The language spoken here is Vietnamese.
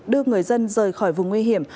đưa người dân rời khỏi vùng nguy hiểm